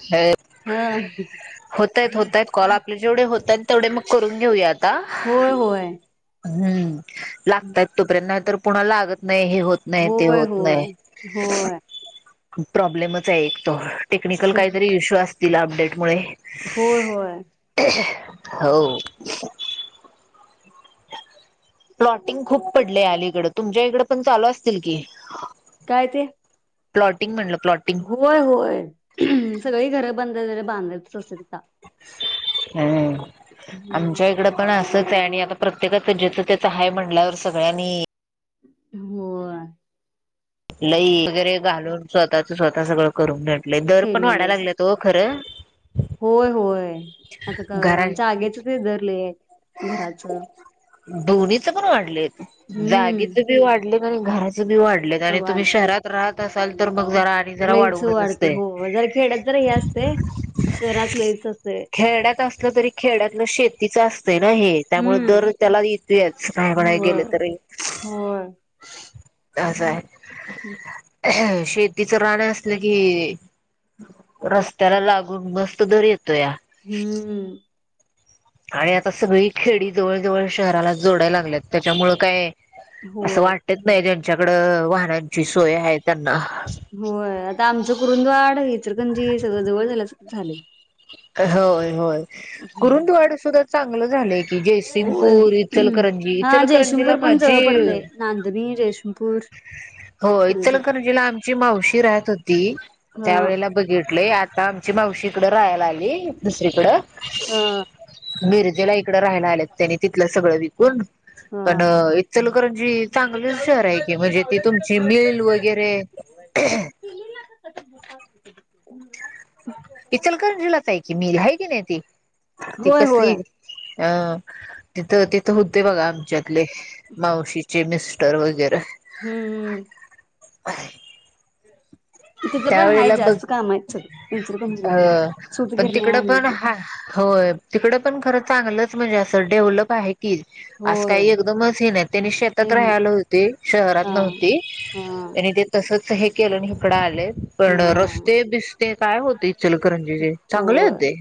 ह हा होतय होतय कॉल आपले जेवढे होत आहेत तेवढे मग करून घेऊया आता होय होय हम्म लागतय तोपर्यंत नाही तर पुुणाला आगत नाही हे होत नाही ते होय होत होय नाही होय प प्रॉब्लेमच आहे एक तो टेकिकलहीतरी इशू अस तिला अपडेट मुर [inaudible] होय होय हो प्लॉटिंग खूप पडले अलीकड तुमच्या इकड पण चालू असतील की काय ते प्लॉटिंग म्हणलं प्लॉटिंग होय होय सगळी घर बंद बांध सोससेात हम् आमच्या इकड पण अस आणि आता प्रत्येकाच ज्याच त्याच हाय म्हणल्यावर सगळ्यांनी हो लई वगैरे घालून स्वतःच स्वतः सगळं करून घ दर पण वाढाय केलेलंस लागल्यात ओ खरं होय होय आता का घरां जागेचच उभारलय घराच दोनी तर वा वा हम्म घरा ते बी वाढल्यात आणि तुम्ही वाढ शहरात राहत आसाल तर मग आणि जरा लईच वाढवूनच वाढते असतंय हो जरा खेड्यात जरा हे असते शहरात लईच असते हे त्यामुळे हम्म दर त्याला येतूयाच काय म्हणाय होय गेले तरं होय का असा अंह़ह शेतीचं राहणं असलं की रस्त्याला लागून मस्त दर येतोया हम्म आणि आता सगळी खेडी जवळ जवळ शहराला जोडाय लागल्यात त्याच्यामुळं काय असं होय वाटत नाही ज च्याकड वा ची सोय हाय त्यांना होय आता आमचं कुरुंदवाड इचलकरंजी सगळं जवळ झाल्यासारखं झालंय कहय होय कुरुंदवाड सुद्धा चांगलं झालं की होय. जयसिंगपूर इचलकरंजी हा इचलकरंजीला जयसिंगपूर पण माझी जवळ पडतय नांदणी जयसिंगपूर हो सगळं जवळ इचलकरंजीला आमची मावशी राहत हो ती हा त्यावेेळेला बघितलंय आता मावशीकडं राह्यला अे दुसरीकडं हा मिरजेला एक राह्यला आल्यात त्यानी तिथल्या सगळ्या ण पण हा इचलकरणजी चांगलच शहर आहे की म्हणजे ती तुमची मिल वगैरे ह इचलकर दिलाच आहे कि मी आहे की नाही ती ती होय होय कसली अ तिथं तिथं होते बघा आमच्यातले मावशीचे मिस्टर वगैरे हम्म हम्म ह तिथं पण हाय त्यावेळेला बघ जास्त काम आहेत सगळी इचलकरंजीला अ पण पण सूतगिरण्या तिकडं हे पण ते हा हो तिकड पण खर चांगलंच म्हणजे असं डेवलप आहे की आज होय काही एकदमच हेन त्यांनी नाही शेतात नाही राहायला होते शहरात हा नव्हते हा त्यांनी ते तसच हे केलं हकडा पण हा रस्ते बि काय होते चलकरंजी चांगले होय होते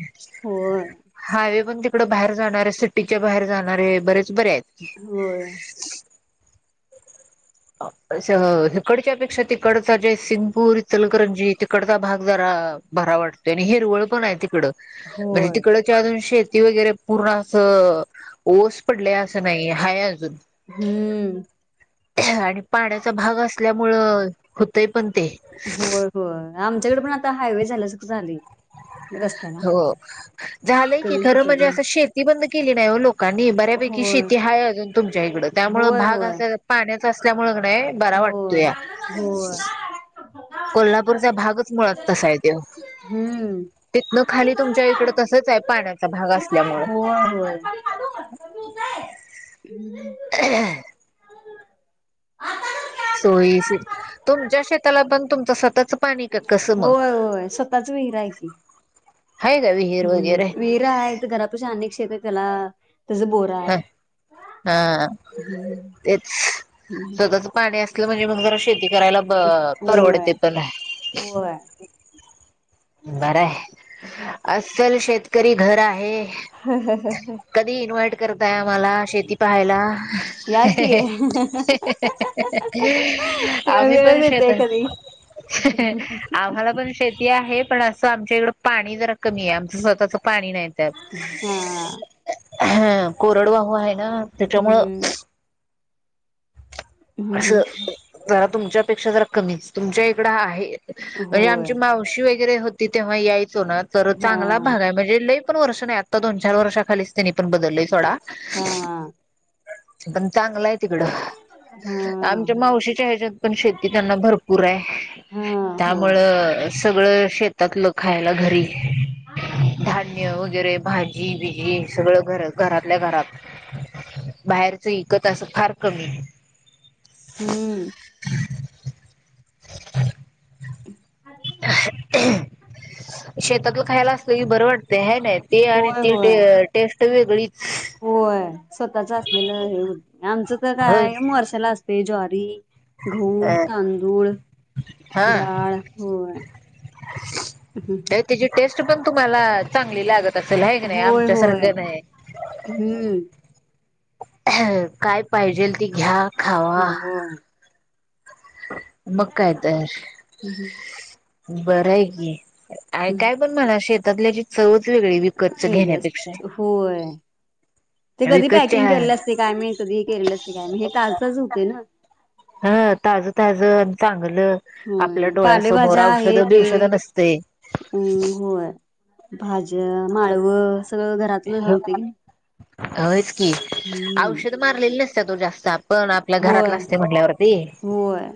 होय हायवे पण इकडं बाहेर जाणारे सिटीच्या बाहेर जाणारे बरेच बरे आहेत होय अ इिकडच्या पेक्षा तिकडचा जे सिंगपूर चलकरंजी तिकडचा भाग जरा भरा वाटतो आणि हिरवळ पण आहे तिकड म्हणजे होय तिकडच्याधून शेत वगैरे पूर्ण असं ओस पडले असं नाही हाय अजून हम्म आणि पाण्याचा भाग असल्यामुंळ होय होय आमच्याकडे पण आता हायवे झालास झाली. हो झालंय की इकडून खर म्हणजे तिकडनं. अस शेती बंद केली नाही हो लोकांनी बऱ्यापैकी होय शेती हाय अजून तुमच्या इकड त्यामुळे होय भाग होय असं पाण्या असल्यामुळे. पे बरा वाटत होय या. होय. कोल्हापूरचा भागच मुळात तसा आहे तेव हम्म. तिथनं खाली तुमच्या इकड तसच आहे पाण्याचा भाग असल्यामुळें. होय होय. सोयी सु तुमच्या शेताला पण तुमच स्वतत पाणी का कसं मग. होय होय स्वतःच विहिर आहे की हाय का विहीर हम्म वगैरे विहिरा आहे घरापशी अनेक शेत आहे त्याला. त्याच बोर ह आहे. हा तेच हम्म स्वतःच पाणी असलं म्हणजे मग जरा शेती करायला ब होय परवडते पण होय हाय. बरं हे. अस्सल शेत. गरीब घर आहे कधी इन्व्हाइट करताय आम्हाला शेती पाहायला या की तुम्हाला आम्ही वेळ पण शेत मिळतोय कधी आम्हाला पण शेती आहे. पण असं आमच्या इकडं पाणी जर कमी आहे आमचं स्वतःच पण पाणी नाही त्यात हा. ह कोरडवाहू आहे ना त्याच्यामुळ. हम्म. हं, असं हं. जरा तुमच्यापेक्षा जर कमी तुमच्या इकडं आहे. बई होय. आमची मावशी वई. [unintelligible] वैे होती ते्हा याई सोना तर चांगला भाग हां. आहे म्हणजे लई पण वर्ष नाही आता दोन चार वर्षाखलीच. तनी पण बदललोय सोडा. हां. चेतन चांगला आहे तकड. आमच्या हां. मावशीच्या ह्याच्यात पण शेती त्यांना भरपूर आहे हां. होय. त्यामुळं सगळं शेतातलं खायला घरी धान्य त्या वगैरे भाजी बिजी सगळं घर घरातल्या घरात. [inaudible] बाहेरच विकत असं फार कमी. हम्म [inaudible] [inaudible] शेतातलं खायला असतं की बरं वाटते हे नाही. ते आणि होय, ती होय. टेस्ट. वेगळीच. स्वतःच असलेलं हे आमचं तर होय काय वर्षाला अस ते ज्वारी गहू, अ तांदूळ डाळ होय. हम्म. ताई तिची टेस्ट पण तुम्हाला चांगली लागत कसल आहे क नाही होय, आमच्या होय. सारखं नाही हम्म. काय पाहिजेल ते घ्या खावा होय. मग काय तयार हम्म. बरय की हम्म. काय पण मला शेत [unintelligible] [unintelligible] बई विकतच वेगळे घेण्यापेक्षा असत होय. ते कधी विकतच्या पॅकिंग केले असते काय माहीत. सगळी केलेलस काय म हे तालचज होप येना हा ताजं ताजं म्हणलं आपल्या होय डोळ्यासमोर पालेभाज्या औषध आहे ते बिवषध नसतय. अम् होय. भाज्या माळव स सगळं घरातलं हे ते. होयच. की औषधं मारलेल नस [unintelligible] जास्त आप पण आपल्या घरातला होय असतय म्हटल्यावरती होय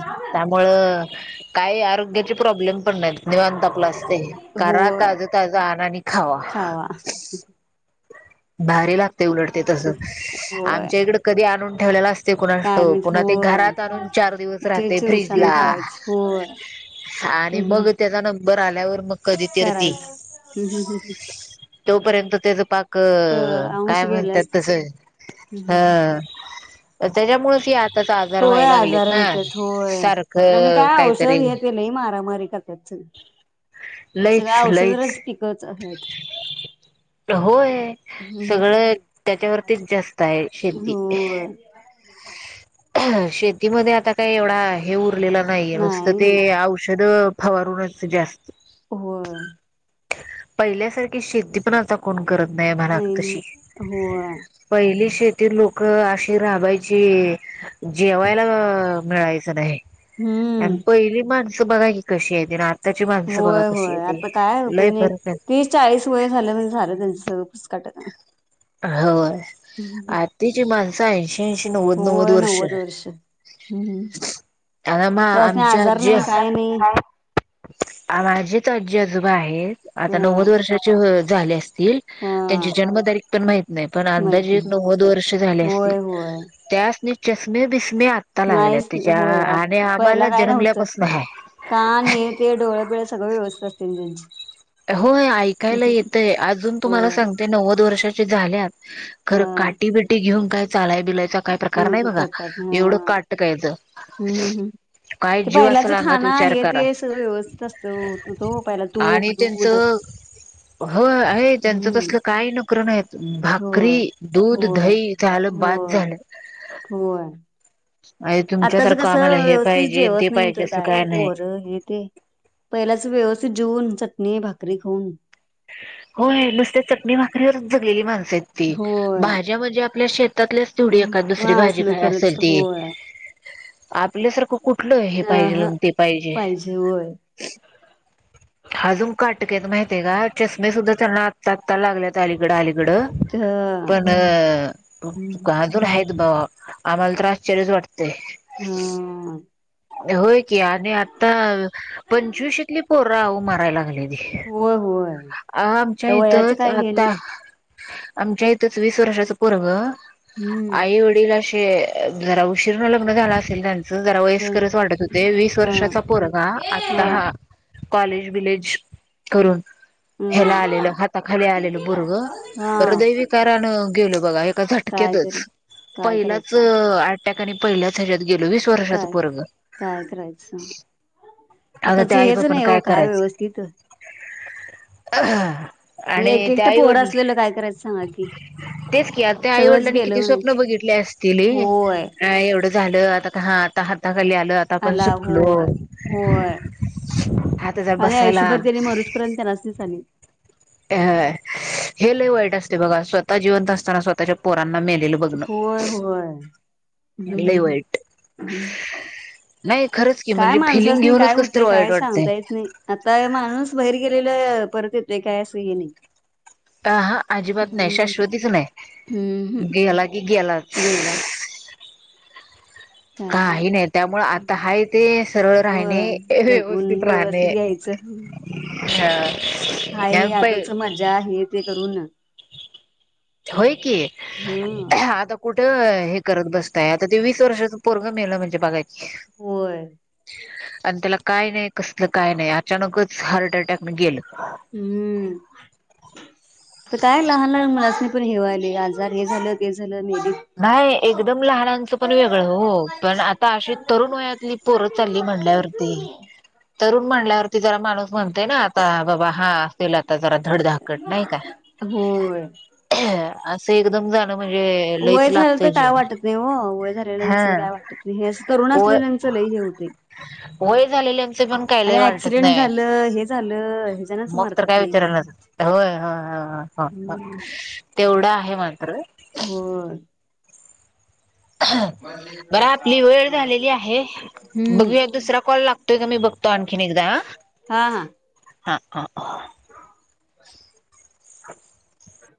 त्यामुळं काई आरोग्याचे प्रॉब्लेम पण नाहीत निवांत आपल असतयं करा होय ताजं ताजं आणा आणि खावा खावा. भारी लागत ते उडट ते तसं होय आमच्या इकड कधी आणून ठेवलेल असत काय कुणासठाउक म्हणजे पुना ते होय घरात आणून चार दिवस ते राहतय चिवसानं फ्रीजला खायच होय आणि हम्म मग त्याचा नंबर बर आल्यावर म कधी तर ती करायचं हम्म मग तोपरेंत त्येझ पाक हअ काय अंश गेले म्हणत्यात असते तस सगळे ह त्याच्यामुळेच हे आताच आजार होय व्हायला लागलेत आजारा ना होत्यात होय आणि सारखं काय औषध काहीतरी हे ते लई मारामारी करत्यात लईच लईच आहेत. होय हम्म सगळं त्याच्यावरतीच जास्त हाय शेती होय ह शेत तीमध्ये आता काय येवढा हे उरलेलं नाहीय नुसतं नाही ते नाही औषद फवारूनच जास्त होय पहिल्यासारखी शेती पण आता कोण करत नाहीय म्हणाव नाही तशी नाही होय पहिली शेतक ते लोक अआशी राबायची जेवायला मअ मिळायचं न्हाइ आण हम्म पहिली माणसं बगा की कशी हायती राण होय होय आता काय होत लय नाही की फरक तीस चाळीस वय झालं म्हणजे झालं त्यांचं. घटक [unintelligible] हो आरतीचा माण साईज तीनशे नव्वद नव्वद वर्ष हम्म. आ म त्यासनी आमच्या आजार आजी नाही काय नाही माझीच आजी उजवा आहे ह आता नव्वद वर्षाची होईल झाले असते ह त्यांची जन्मतारीख [inaudible] पण माहित नाही पण माहित अंदाजे एक नाही नव्वद वर्ष झाले असतील होय होय त्यांसनी चश्मे बिसमे- नाहीच होय पहिला आम्हाला काय नव्हतं जन्मल्यापासून आहे कान हे ते डोळे बिळ सगळं व्यवस्थित असत पैंजण [unintelligible] जची होय ऐकायला येतय अजून तुम्हाला होय सांगते नव्वद वर्षाच्या झाल्यात खरं काठी बिठी घेऊन काय चालाय [unintelligible] प्रकार ह्म्म नाही ह बघा प्रकार ह एवढं काटकायचं हम्म हम् हम्म काय ते जीव पहिल्याच असेल अंगात खाणं विचार आहे करा ते असे व्यवस्थित असत ओ प्यायला तूप, आणि दूध हो आहे त्यांच हम्म तसलं काही नखर नाही भाकरी होय दूध, होय दही त्यांना दिला बास होय झालं. होय आणि आताच तुमच्यासारखं कस आम्हाला हे व्यवस्थित पाहिजे ते जेवत नाहीत पाहिजे असं काय नाही पोर हे ते पहिल्याच व्यवस्थित जेऊन- चटणी भाकरी खाऊन- होय नुसत चटणी भाकरीवरच जगलेली माझ- होय भाज्या म्हणजे आपल्या शेतातल्याच तोडील एका दुसरी वा भाजी असलं काय तरच असेल ती होय आपल्यासारखं कुठ- कुठल हे अ पाहिजेल ह अन् ते पाहिजे आजुन काटकेत माहित आहे का चश्मे सुद्धा चलणार सत्ता लागल्या त्या अलीकडे आली तर पणज आहे [unintelligible] बघ आम्हाला तर आश्चर्यच वाटते हा होय की आणि आता अं पंचवीशतली पोर- [unintelligible] ह मारायला लागले होय होय आमच्या तर वयाचं इथच काय हे नाही आता - आमच्या इथेच वीस वर्षाच पोरग [unintelligible] हम्म आई वडीलाशी ते जरा उशीरा लग्न झाला असेल. जरा ह वयस्करच वाटत होते, वीस हा वर्षाचा पोरगा आता हा कॉलेज बिलेज [unintelligible] ह्याला आलेलं हम्म हाताखाली आलेलं पोरग हा हृदयविकारांन गेलं बघा एका काय करे झटक्यातच काय पहिलाच करायचं [unintelligible] त्या कडे पहिल्या [unintelligible] गेलो वीस वर्षाचं काय पोरगं, काय करायचं आता आताच त्या आई हेच नाही हो बापाला [unintelligible] काय करायच व्यवस्थित एक आणि त्या एकटं पोर आईवडील असलेलं काय करायचं सांगा की तेच की त्या सगळंच आईवडिलांनी गेलं किती स्वप्न म्हणायचं बघितले असतीली होय एवढ [unintelligible] [unintelligible] ली आलं आता आपण आला सुटलो. होय आता जरा आणी बसायला आयुषभर त्याने मरुजपर्यंत त्यांनाची सांगितली. हं हे लई वाईट असतंय बघा स्वतः जिवंत असताना स्वतः [unintelligible] होय, होय लय हमह वाईट ह नाही खरंच की काय म्हणजे फिलिंग माणसांनी घेऊनच काय कस तर होतय काय वाईट वाटतंय सांगता येत नाही आता माणूस बाहेर गेलेला [unintelligible] परत येतो काय असेही नाही. अंहां अजिबात नाही हम्म शाश्वतीच नाही. गेला की गेलाच. गेलाच. काही नाही त्यामुळे आता हाय ते सरळ हो राहणे जगून व्यवस्थित राहणे. व्यवस्थित घ्यायचं [unintelligible] हाय हे अ ह्यातच मजा आहे ते करू न होय की, हम्म आता कुठं हे करत [unintelligible] हाय आता ते वीस वर्षाच पोरग मेलं म्हणजे बघा की. होय. अन त्याला काय नाय, कसलं काय नाय अचानकच हार्ट अटॅक गेलं. हम्म तर काय लहान लहान [unintelligible] पण हे व्हयला आजार हे झालं जर. नाय एकदम लहानांचं पण वेगळं हो, पण आता अशी तरुण वयातली पोरं चालली म्हणल्यावरती तरुण [unintelligible] जरा माणूस म्हणतय ना आता बाबा हा असेल आता जरा धडधाकट नाही का, होय [unintelligible] [inaudible] एकदम झालं म्हणजे लय वय झालं लागत तर काय जीवन वाटत नाही हो वय हा झालेल्यांचं काय वाटत नाही हे असं तरुण वय असलेल्यांचं लई हे होतय वय झालेल्या आमच पण आणि कायलाही वाटत ऍक्सिडेंट नाही झालं हे झालं ह्याच्यानच मग तर मरत्यात काय लई विचारयलायय हा हा हा हम्म तेवढं आहे मा अरे हो बर आपली वेळ झालेली आहे हम्म बघूया दुसरा कॉल लागतोय का मी बघतो आणखीन एकदा हा हा ह हा हा हम [inaudible]